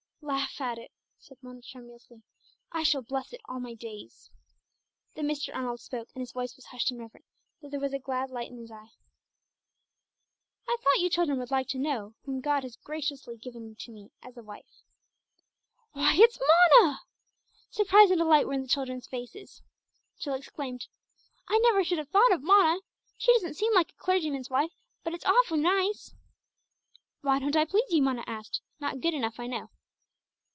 '" "Laugh at it?" said Mona tremulously. "I shall bless it all my days!" Then Mr. Arnold spoke, and his voice was hushed and reverent, though there was a glad light in his eye. "I thought you children would like to know whom God has graciously given to me as a wife." "Why it's Mona!" Surprise and delight were in the children's faces. Jill exclaimed "I never should have thought of Mona. She doesn't seem like a clergyman's wife, but it's awfully nice." "Why don't I please you?" Mona asked. "Not good enough, I know."